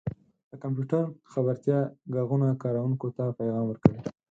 • د کمپیوټر خبرتیا ږغونه کاروونکو ته پیغام ورکوي.